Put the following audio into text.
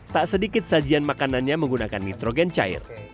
tak sedikit sajian makanannya menggunakan nitrogen cair